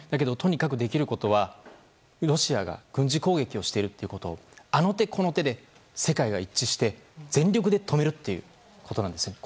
とにかくできることはロシアが軍事攻撃をしているということをあの手この手で世界が一致して全力で止めるということです。